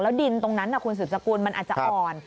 แล้วดินตรงนั้นคุณสุจกรมันอาจจะอ่อน